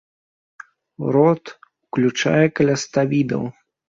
Род уключае каля ста відаў.